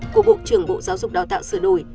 của bộ trưởng bộ giáo dục đào tạo sửa đổi